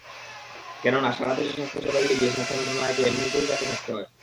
কেননা, সারা দেশে স্বাস্থ্যসেবা দিতে গিয়ে স্বাস্থ্য মন্ত্রণালয়কে এমনিতেই চাপে থাকতে হয়।